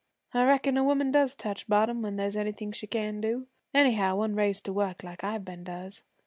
I reckon a woman does touch bottom when there's anything she can do anyhow, one raised to work like I've been does.